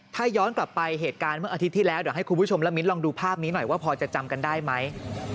ถ้าย้อนกลับไปเหตุการณ์เมื่ออาทิตย์ที่แล้วเดี๋ยวให้คุณผู้ชมและมิ้นลองดูภาพนี้หน่อยว่าพอจะจำกันได้ไหม